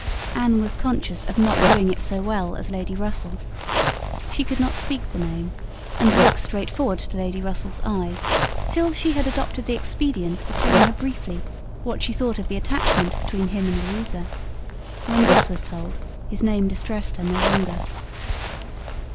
Anne was conscious of not doing it so well as Lady Russell. She could not speak the name, and look straight forward to Lady Russell's eye, till she had adopted the expedient of telling her briefly what she thought of the attachment between him and Louisa. When this was told, his name distressed her no longer.